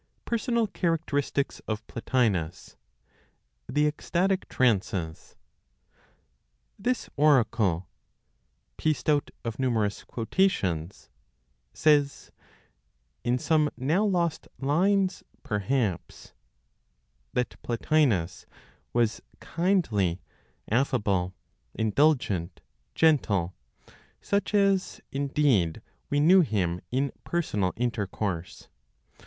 PERSONAL CHARACTERISTICS OF PLOTINOS; THE ECSTATIC TRANCES. This oracle (pieced out of numerous quotations) says (in some now lost lines, perhaps) that Plotinos was kindly, affable, indulgent, gentle, such as, indeed we knew him in personal intercourse.